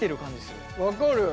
分かる！